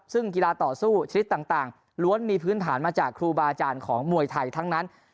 ซึ่งกีฬาต่อสู้ชนิดต่างล้วนมีพื้นฐานมาจากครูบาอาจารย์ของมวยไทยทั้งนั้น